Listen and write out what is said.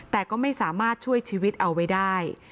แต่ก็ไม่สามารถช่วยชีวิตเอาไว้ได้